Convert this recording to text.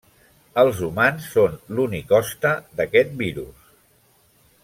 Els humans són l’únic hoste d’aquest virus.